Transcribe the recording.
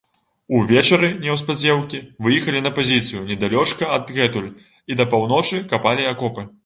Увечары, неўспадзеўкі, выехалі на пазіцыю, недалёчка адгэтуль, і да паўночы капалі акопы.